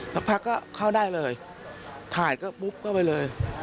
สักพักก็เข้าได้เลยถ่ายก็ปุ๊บเข้าไปเลย